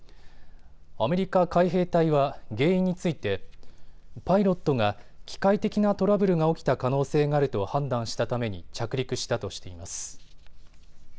アメリカ海兵隊は原因についてパイロットが機械的なトラブルが起きた可能性があると判断したために着陸したとしています。